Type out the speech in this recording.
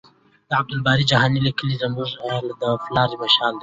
د عبدالباري جهاني لیکنې زموږ لپاره د لارې مشال دي.